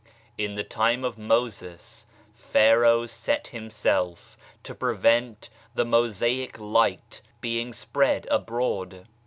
In the time of Moses, Pharaoh set himself to prevent the Mosaic Light being spread abroad.